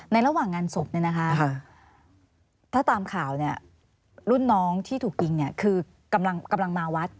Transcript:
ระหว่างงานศพเนี่ยนะคะถ้าตามข่าวเนี่ยรุ่นน้องที่ถูกยิงเนี่ยคือกำลังมาวัด